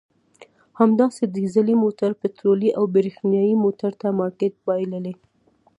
همداسې ډیزلي موټر پټرولي او برېښنایي موټر ته مارکېټ بایللی.